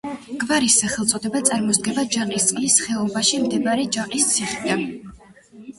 გვარის სახელწოდება წარმოსდგება ჯაყისწყლის ხეობაში მდებარე ჯაყის ციხიდან.